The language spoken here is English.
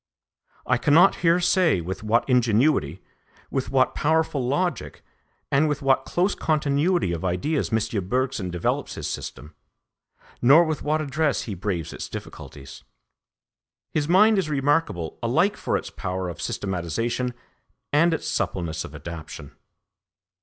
I cannot here say with what ingenuity, with what powerful logic, and with what close continuity of ideas M. Bergson develops his system, nor with what address he braves its difficulties. His mind is remarkable alike for its power of systematisation and its suppleness of adaptation.